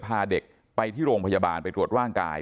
พาเด็กไปที่โรงพยาบาลไปตรวจร่างกาย